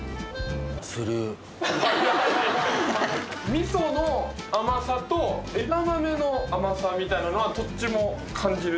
みその甘さと枝豆の甘さみたいなのはどっちも感じる。